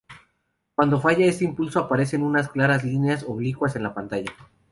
Cuando falla este impulso, aparecen unas claras líneas oblicuas en la pantalla.